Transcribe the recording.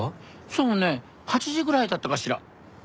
そうね８時ぐらいだったかしら。